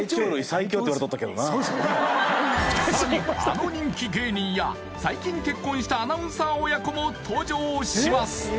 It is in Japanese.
さらにあの人気芸人や最近結婚したアナウンサー親子も登場します